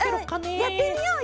やってみようよ！